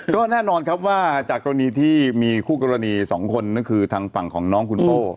ก็แน่นอนครับว่าจากกรณีที่มีคู่กรณี๒คนก็คือทางฝั่งของน้องคุณโป้